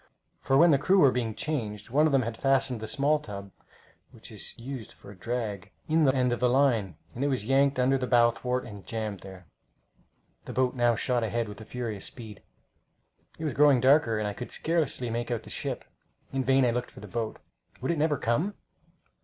for when the crew were being changed one of them had fastened the small tub, which is used for a drag, in the end of the line, and it was yanked under the bow thwart and jammed there. The boat now shot ahead with furious speed. It was growing darker, and I could scarcely make out the ship. In vain I looked for the boat. Would it never come!